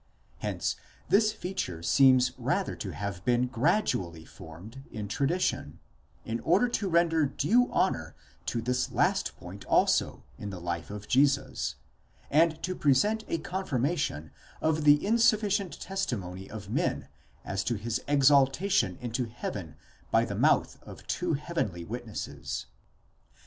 Hence this feature seems rather to have been gradu ally formed in tradition, in order to render due honour to this last point also in the life of Jesus, and to present a confirmation of the insufficient testimony of men as to his exaltation into heaven by the mouth of two heavenly wit nesses.